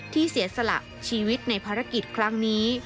เสียสละชีวิตในภารกิจครั้งนี้